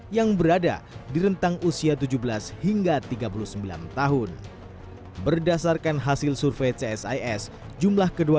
yang berada di rentang usia tujuh belas hingga tiga puluh sembilan tahun berdasarkan hasil survei csis jumlah kedua